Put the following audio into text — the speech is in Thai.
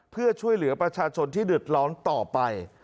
เพื่อช่วยเหลือประชาชนที่เดือดร้อนต่อไป